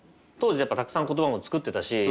当時たくさん言葉も作ってたし。